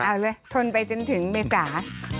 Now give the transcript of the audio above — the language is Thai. เอาเลยทนไปจนถึงเมษา